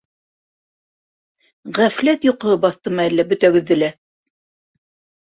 - Ғәфләт йоҡоһо баҫтымы әллә бөтәгеҙҙе лә?